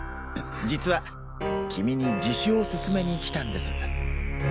実は君に自首を勧めに来たんです。